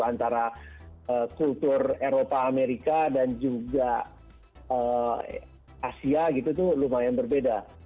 antara kultur eropa amerika dan juga asia gitu tuh lumayan berbeda